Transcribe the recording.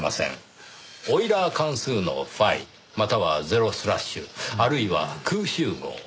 オイラー関数のφまたはゼロスラッシュあるいは空集合。